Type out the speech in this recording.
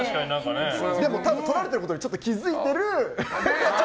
多分、撮られてることに気づいてる。